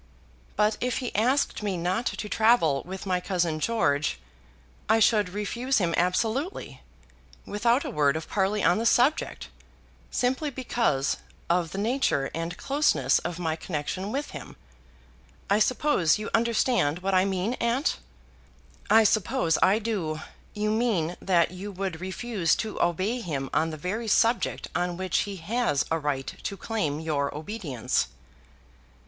But if he asked me not to travel with my cousin George, I should refuse him absolutely, without a word of parley on the subject, simply because of the nature and closeness of my connection with him. I suppose you understand what I mean, aunt?" "I suppose I do. You mean that you would refuse to obey him on the very subject on which he has a right to claim your obedience."